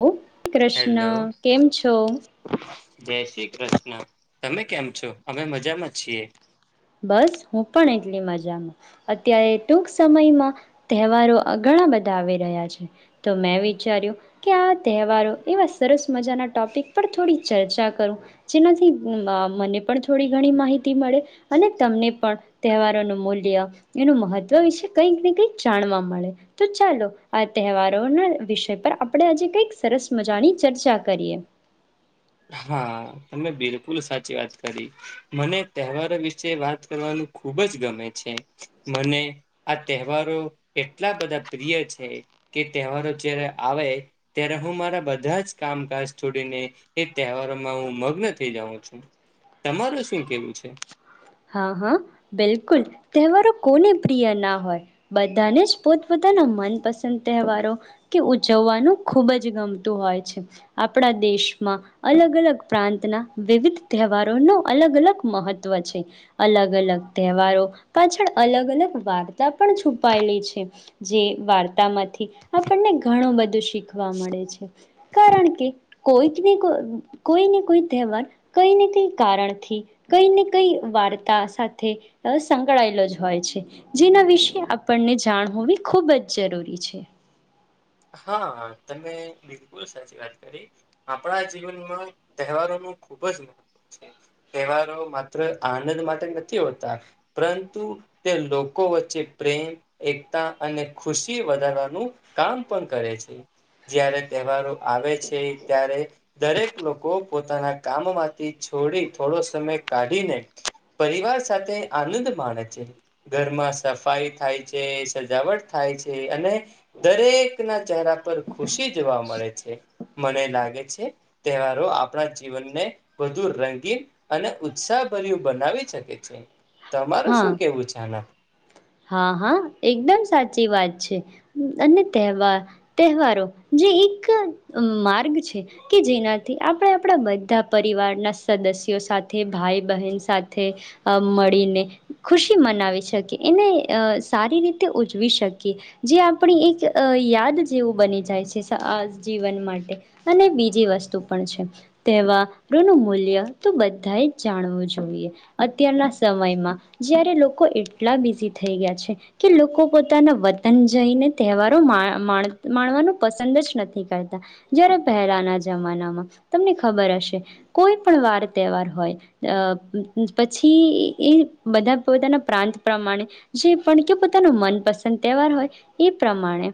હ કૃષ્ણ હેલો કેમ છો? જય શ્રી કૃષ્ણ તમે કેમ છો? અમે મજામાં છીએ. બસ હું પણ એટલી મજામાં અત્યારે ટૂંક સમયમાં તહેવારો ઘણા બધા આવી રહ્યા છે તો મેં વિચાર્યું કે આ તહેવારો એવા સરસ મજાના ટોપિક પર થોડી ચર્ચા કરું જેનાથી મને પણ થોડી ઘણી માહિતી મળે. અને તમને પણ તહેવારોનું મૂલ્ય એનું મહત્વ વિશે કંઈક ને કંઈક જાણવા મળે તો ચાલો આ તહેવારોના વિષય પર આપણે આજે કંઈક સરસ મજાની ચર્ચા કરીએ. પૂરી સાચી વાત કરી મને તહેવારો વિશે વાત કરવાનું ખૂબ જ ગમે છે મને આ તહેવારો એટલા બધા પ્રિય છે કે તહેવારો જ્યારે આવે ત્યારે હું મારા બધા જ કામકાજ છોડીને. એ તહેવારોમાં હું મગ્ન થઇ જાઉં છું તમારું શું કેવું છે. હા હા બિલકુલ તહેવારો કોને પ્રિય ના હોય બધાને જ પોતપોતાના મનપસંદ તહેવારો કે ઉજવવાનું ખૂબ જ ગમતું હોય છે આપણા દેશમાં અલગ અલગ પ્રાંતના વિવિધ તહેવારોનું અલગ અલગ મહત્ત્વ છે. અલગ અલગ તહેવારો પાછળ અલગ અલગ વાર્તા. [unintelligible] પણ છુપાયેલી છે. જે વાર્તામાંથી આપણને ઘણું બધું શીખ. શીખવા મળે છે. કારણ કે કોઈક ને કોઈને કોઈ તહેવાર કઈ ને કઈ કારણથી કઈ ને કઈ. વાર્તા સાથે સંકળાયેલો જ હોય છે જેના વિશે આપણને જાણ હોવી ખૂબ જ જરૂરી છે. હા તમે બિલકુલ સાચી વાત કરી આપણા જીવનમાં તહેવારો ન ખુબ જ મહત્વ છે તહેવારો માત્ર આનંદ માટે નથી હોતા પરંતુ તે લોકો વચ્ચે પ્રેમ એકતા અને ખુશી વધારવાનું કામ. પણ કરે છે જારે તહેવારો આવે છે ત્યારે દરેક લોકો પોતાના કામમાંથી છોડી થોડો સમય કાઢીને પરિવાર સાથે આનંદ માણે છે ઘરમાં સફાઈ થાય છે સજાવટ થાય છે અને દરેક. ના ચહેરા પર ખુશી જોવા મળે છે મને લાગે છે તહેવારો આપણા જીવનને વધુ રંગીન અને ઉત્સાહભર્યું બનાવી શકે છે. તમારું હા શું કેવું છે આનામાં હા હા એકદમ સાચી વાત છે અને તહેવાર તહેવારો જે એક માર્ગ છે કે જેનાથી આપણે આપણા બધા પરિવારના સદસ્યો સાથે ભાઈ બહેન સાથે મળીને ખુશી મનાવી શકીએ. એને સારી રીતે ઉજવી શકીએ જે આપણી એક યાદ જેવું બની જાય છે આ જીવન માટે અને બીજી વસ્તુ પણ છે તહેવારોનું મૂલ્ય તો બધાએ જાણવું જોઈએ અત્યારના સમયમાં જયારે લોકો. એટલા બિઝી થઈ ગયા છે કે લોકો પોતાના વતન જઈને તહેવારોણ માણવાનું પસંદ જ નથી કરતા જય્યારે પહેલાના જમાનામાં તમને ખબર હશે કોઈ પણ વાર તહેવાર હોય પછી એ બધા પોતાના પ્રાંત. પ્રમાણે જે પણ કે પોતાનો મનપસંદ તહેવાર હોય એ પ્રમાણે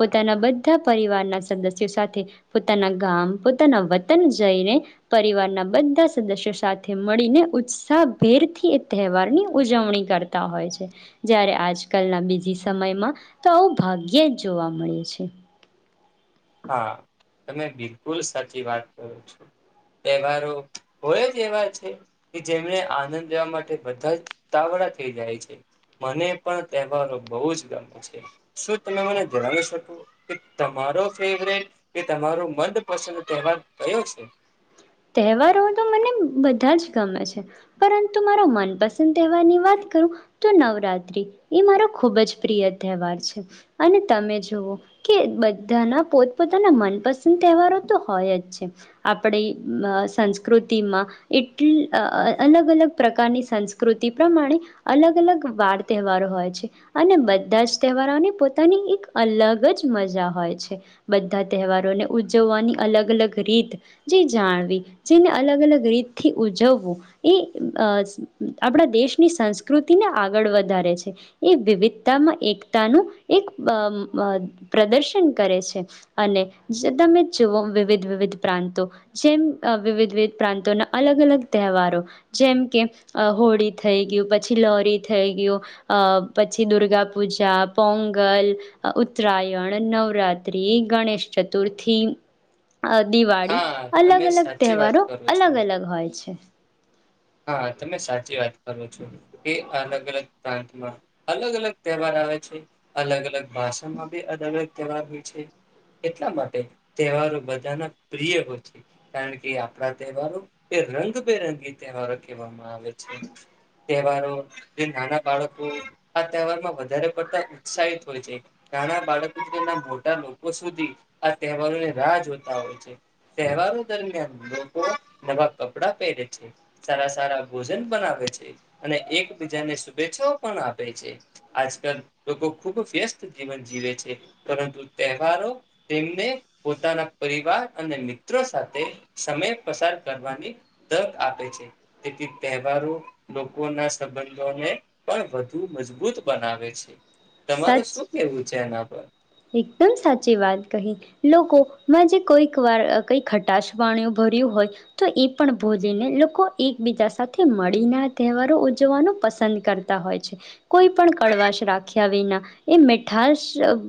પોતાના બધા પરિવારના સદસ્યો સાથે પોતાના ગામ પોતાના વતન જઈને પરિવારના બધા સદસ્યો સાથે મળીને ઉત્સાહભેરથી એ તહેવારની ઉજવણી કરતા. તા હોય છે, જ્યારે આજકાલના બીજી સમયમાં તો આવું ભાગ્યે જ જોવા મળે છે. હા, તમે બિલકુલ સાચી વાત કરો છો, તહેવારો હોય જ એવા છે કે જેમણે આનંદ લેવા માટે બધા ઉતાવડા થઈ જાય છે, મને પણ તહેવારો બહુ જ ગમે છે, શું તમે મને જણાવી શકો કે તમારો ફેવરેટ કે તમારો મંદપસંદ તહેવાર કયો છે? તહેવારો તો મને બધા જ ગમે છે, પરંતુ મારો મનપસંદ તહેવારની વાત કરું તો નવરાત્રિ, એ મારો ખૂબ જ પ્રિય તહેવાર છે અને તમે જુઓ કે બધાના પોતપોતાના મનપસંદ તહેવારો તો હોય જ છે આપડે બ અ સંસ્કૃતિમાં એટલ અલગ-અલગ પ્રકારની સંસ્કૃતિ પ્રમાણે અલગ-અલગ વાર તહેવારો હોય છે અને બધા જ તહેવારોની પોતાની એક અલગ જ મજા હોય છે, બધા તહેવારોને ઉજવવાની અલગ-અલગ રીત જે જાણવી જેને અલગ અલગ રીતથી ઉજવવું, એ અ આપણા દેશની સંસ્કૃતિને આગળ વધારે છે, એ વિવિધતામાં એકતાનું એક બ અબ અ પ્રદર્શન કરે છે અને જ તમે જુઓ વિવિધ વિવિધ પ્રાંતો જેમ અ વિવિધ વિવિધ પ્રાંતોના અલગ-અલગ તહેવારો. જેમ કે અ હોળી થઈ ગયું, પછી લોરી થઈ ગયું, અ પછી દુર્ગા પૂજા, પોંગલ, ઉત્તરાયણ, નવરાત્રિ, ગણેશ ચતુર્થી અ દિવાળી. હા તમે અલગ-અલગ સાચી વાત તહેવારો કરો છો અલગ-અલગ હોય. છે. હા, તમે સાચી વાત કરો છો કે અલગ-અલગ પ્રાંતમાં અલગ અલગ તહેવાર આવે છે, અલગ-અલગ ભાષામાં બી અલગ અલગ તહેવાર હોય છે, એટલા માટે તહેવારો બધાના પ્રિય હોય છે, કારણ કે આપણા તહેવારો એ રંગબેરંગી તહેવારો કહેવામાં આવે છે. તહેવારો જે નાના બાળકો આ તહેવારમાં વધારે પડતા ઉત્સાહિત હોય છે, નાના બાળકો થી મોટા લોકો સુધી આ તહેવારોની રાહ જોતા હોય છે. તહેવારો દરમિયાન લોકો નવા કપડા પહેરે છે. સારા સારા ભોજન બનાવે છે અને એકબીજાને શુભેચ્છાઓ પણ આપે છે, આજકાલ લોકો ખુબ વ્યસ્ત જીવન જીવે છે, પરંતુ તહેવારો તેમને પોતાના પરિવાર અને મિત્રો સાથે સમય પસાર કરવાની તક આપે હોય છે, તેથી તહેવારો લોકોના સંબંધોને પણ વધુ મજબૂત બનાવે છે. તમારે શું સાચી, કેવું છે એના પર? એકદમ સાચી વાત કહી લોકો માં જે કોઈક વાર અ કંઈક ખટાશ વાણી ભર્યું હોય, તો એ પણ ભોજીને લોકો એકબીજા સાથે મળીને આ તહેવારો ઉજવાનું પસંદ કરતા હોય છે, કોઈ પણ કડવાશ રાખી વિના એ મીઠાશ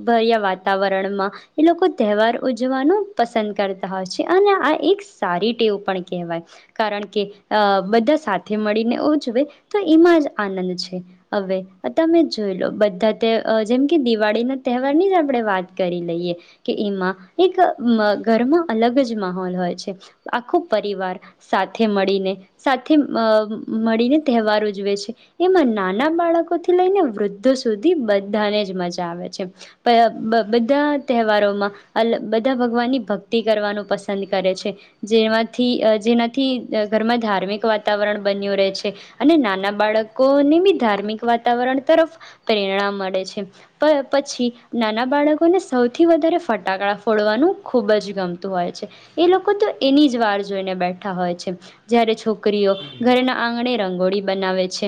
ભર્યા વાતાવરણમાં એ લોકો તહેવાર ઉજવવાનું પસંદ કરતા હોય છે અને આ એક સારી ટેવ પણ કેવાય, કારણ કે અ બધા સાથે મળીને ઉજવે તો એમાં જ આનંદ છે, અવે બ તમે જોઈ લો અ જેમ કે દિવાળીના તહેવારની જ આપણે વાત કરી લઈએ કે એમાં એક અ ઘરમાં અલગ જ માહોલ હોય છે, આખો પરિવાર સાથે મળીને સાથે અ મ મળીને તહેવાર ઉજવે છે, એમાં નાના બાળકો થી લઈને વૃદ્ધો સુ સુધી બધાને જ મજા આવે છે, પ અ બધા તહેવારોમાં અલ બધા ભગવાનની ભક્તિ કરવાનું પસંદ કરે છે, જેમાંથી જેનાથી અ ઘરમાં ધાર્મિક વાતાવરણ બન્યું રહે છે અને નાના બાળકોને બી ધાર્મિક વાતાવરણ તરફ પ્રેરણા મળે છે, પ પછી નાના બાળકોને સૌથી વધારે ફટાકડા ફોડવાનું ખૂબ જ ગમતું હોય છે, એ લોકો તો એની જ વાર જોઈને બેઠા હોય છે. છોકરીઓ ઘરના આંગણે રંગોળી બનાવે છે,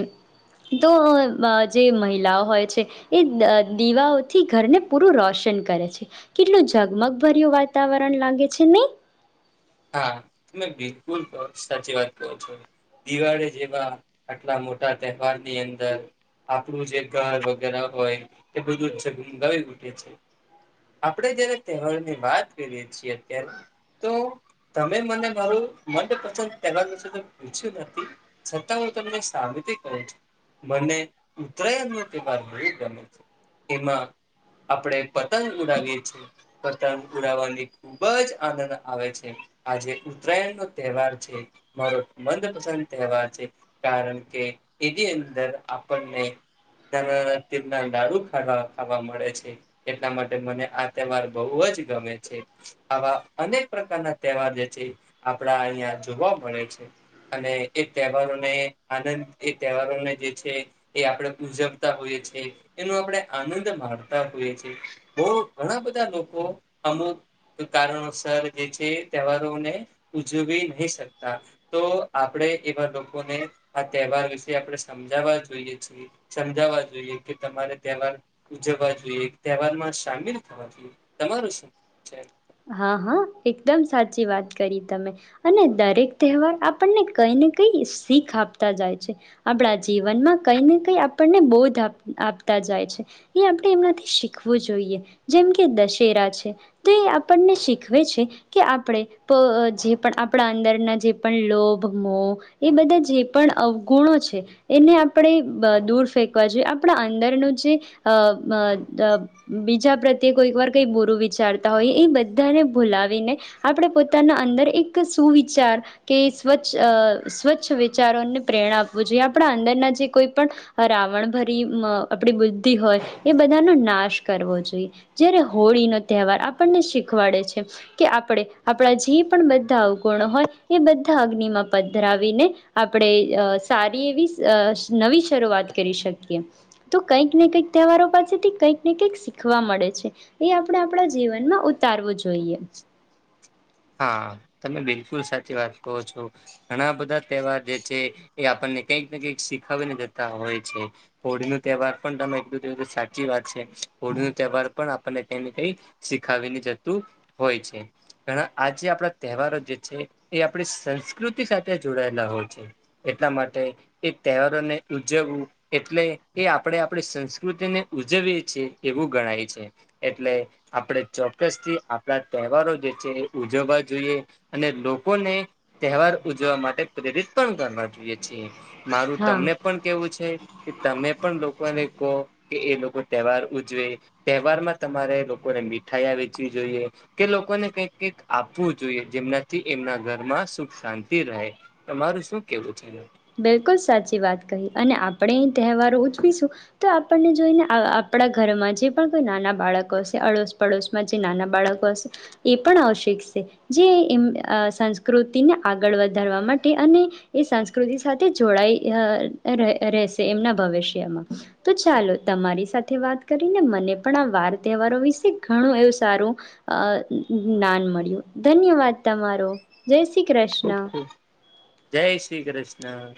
તો અ બ જે મહિલા હોય છે એ દ અ દીવાઓથી ઘરને પૂરું રોશન કરે છે, કેટલું ઝગમગભર્યું વાતાવરણ લાગે છે નઈ? હા, તમે બિલકુલ અ સાચી વાત કો છો, દિવાળી જેવા આટલા મોટા તહેવારની અંદર આપણું જે ઘર વગેરા હોય એ બધું જગમગાવી ઉઠે છે, આપણે જયારે તહેવારની વાત કરીએ છીએ, ત્યારે તો તમે મને મારું મંદપસંદ તહેવાર વિશે તો પૂછ્યું જ નથી, છતાં ઉં તમને સામેથી કઉં છું, મને ઉતરાયણનો તહેવાર બઉ ગમે છે, એમાં આપણે પતંગ ઉડાવીએ છે, પતંગ ઉડાવવાની ખુબ જ આનંદ આવે છે. છે, આ જે ઉતરાયણનો તહેવાર છે, મારો મંદપસંદ તહેવાર છે, કારણકે એની અંદર આપણને નાના નાના તિલના લાડુ [unintelligible] ખાવા મળે છે એટલા માટે મને આ તહેવાર બઊ જ ગમે છે, આવા અનેક પ્રકારના તેવાર જે છે, આપણા અઈયાં જોવા મળે છે, અને તહેવારોને ઉજવી નહી શકતા, તો આપણે એવા લોકોને આ તહેવાર વિશે આપણે સમજાવવા જોઈએ છીએ, સમજાવવા જોઈએ કે તમારે તહેવાર ઉજવવા જોઈએ, તહેવારમાં સામિલ થવા જોઈએ, તમારું શું [inaudible] છે? હા, હાં, એકદમ સાચી વાત કરી તમે અને દરેક તહેવાર આપણને કંઈ ને કંઈ શીખ આપતા જાય છે, આપણા જીવનમાં કંઈ ને કંઈ આપણને બોધ આપ આપતા જાય છે, એ આપણે એમનાથી શીખવું જોઈએ, જેમ આપણને શીખવે છે, કે આપણે પ અ અ જે પણ આપણા અંદરના જે પણ લોભ, મોહ એ બધા જે પણ અવગુણો છે, એને આપણે બ અ દૂર ફેંકવા જોઈએ, આપણા અંદરનું જે અ બધાને ભૂલાવીને આપણે પોતાના અંદર એક સુવિચાર કે સ્વચ્છ અ સ્વચ્છ વિચારોને પ્રેરણા આપવું જોઈએ, આપણા અંદરના જે કોઈ પણ રાવણભરી મ અ આપણી બુદ્ધિ હોય એ બધાનો નાશ કરવો જોઈએ, જયારે હોળીનો તહેવાર આપણને શી ખવાડે છે કે આપડે આપડા જે પણ બધા અવગુણો હોય એ બધા અગ્નિમાં પધરાવીને આપડે અ સારી એવી શ નવી શરૂઆત કરી શકીએ, તો કંઈક ને કઈક તહેવારો પાસેથી કંઈક ને કંઈક શીખવા મળે છે એ આપડે આપડા જીવનમાં ઊ તારવુ જ [inaudible] હાં. તમે બિલકુલ સાચી વાત કહો છો, ઘણા બધા તહેવાર જે છે એ આપણને કંઈક ને કંઈક શીખાવીને જતા હોય છે, હોળીનો તહેવાર પણ તમે [unintelligible] સાચી વાત છે, હોળીનો તહેવાર પણ આપણને કઈ ને કઈ શીખાવીને જતું હોય છે, ઘણા આજે આપણા તહેવારો જે છે એ આપણી સંસ્કૃતિ સાથે જોડાયેલા હોય છે, એટલા માટે એ તહેવારોને ઉજવવું એટલે એ આપણે આપણી સંસ્કૃતિને ઉજવીએ છે એવું ગણાય છે, એટલે આપણે ચોક્કસથી આપ આપણા તહેવારો જે છે ઉજવવા જોઈએ અને લોકોને તહેવાર ઉજવવા માટે પ્રેરિત પણ કરવા જોઈએ છીએ. મારું હા તમને પણ કેવું છે કે તમે પણ લોકોને તો એ એ લોકો તહેવાર ઉજવે, તહેવારમાં તમારે લોકોને મીઠાાઈયા વેચવી જોઈએ. કે લોકોને કંઈક કઈક આપવું જોઈએ, જેમનાથી એમના ઘરમાં સુખ શાંતિ રહે, તમારું શું કેવું છે? બિલકુલ સાચી વાત કહી અને આપણે એ તહેવારો ઉજવીશું તો આપણને જોઈને આ આપડા ઘરમાં જે પણ કોઈ નાના બાળકો અશે અડોશ પડોશમાં જે નાના બાળકો અશે એ પણ આવ શીખશે, જે એમ અ સંસ્કૃતિને આગળ વધારવા માટે અને એ સાં કૃતિ સાથે જોડાય અ ર રહેશે એમના ભવિષ્યમાં તો ચાલો તમારી સાથે વાત કરીને મને પણ આ વાર તહેવારો વિશે ઘણું એવું સારું જ્ઞાન મળ્યું. ધન્યવાદ તમારો જય શ્રી ખુબ કૃષ્ણ. ખુબ જય શ્રી કૃષ્ણ.